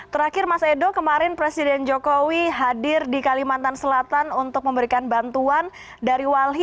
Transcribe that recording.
terakhir mas edo kemarin presiden jokowi hadir di kalimantan selatan untuk memberikan bantuan dari walhi